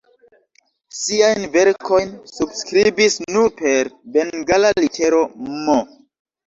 Siajn verkojn subskribis nur per bengala litero "M".